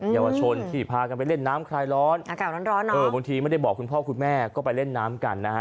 เยาวชนที่พากันไปเล่นน้ำคลายร้อนอากาศร้อนนะเออบางทีไม่ได้บอกคุณพ่อคุณแม่ก็ไปเล่นน้ำกันนะฮะ